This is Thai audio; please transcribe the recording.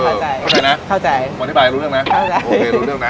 เข้าใจนะบอกให้ผมอธิบายเรารู้เรื่องได้นะ